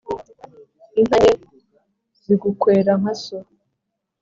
Inka nke zigukwera nka so.